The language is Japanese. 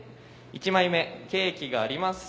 １枚目ケーキがあります。